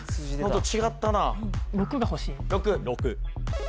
６が欲しい６